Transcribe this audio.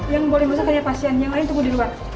yang boleh masuk hanya pasien yang lain tubuh di luar